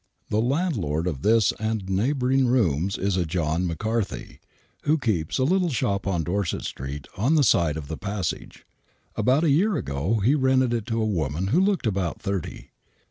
The landlord of this and neighboring rooms is a John Mc Carthy, who keeps a little shop on Dorset Street, on the side of the passage. About a year ago he rented it to a woman who looked about thirty.